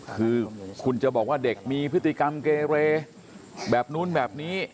คือคุณจะบอกว่าเด็กมีพฤติกรรมเกเรแบบนู้นแบบนี้